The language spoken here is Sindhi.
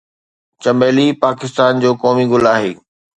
چمبلي پاڪستان جو قومي گل آهي